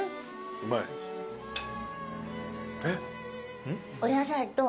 うまい？えっ？